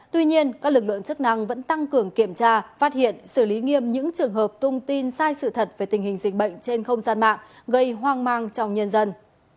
tuy nhiên các lực lượng chức năng vẫn tăng cường kiểm tra phát hiện xử lý nghiêm những trường hợp tung tin sai sự thật về tình hình dịch bệnh trên không gian mạng gây hoang mang trong nhân dân